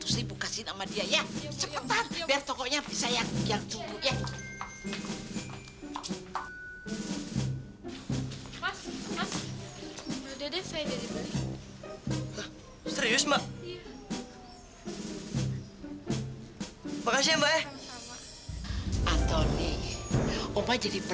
sampai jumpa di video selanjutnya